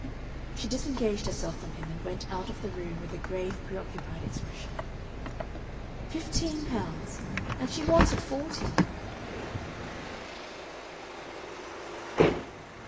She disengaged herself from him and went out of the room with a grave, preoccupied expression. (Fifteen pounds! And she wanted forty!)